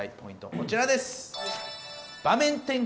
こちらです